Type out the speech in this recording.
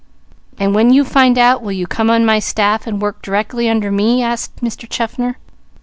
"And when you find out, will you come on my staff, and work directly under me?" asked Mr. Chaffner.